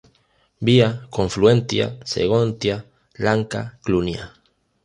Vía "Confluentia"-"Segontia Lanca"-"Clunia".